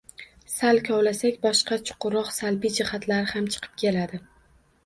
Sal “kovlasak” boshqa – chuqurroq salbiy jihatlari ham chiqib keladi